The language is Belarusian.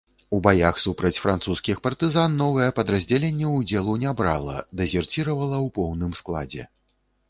У баях супраць французскіх партызан новае падраздзяленне ўдзелу не брала, дэзерціравала ў поўным складзе.